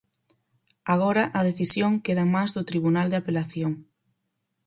Agora a decisión queda en mans do Tribunal de Apelación.